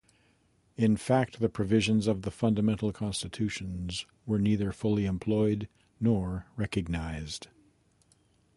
In fact, the provisions of the Fundamental Constitutions were neither fully employed nor recognized.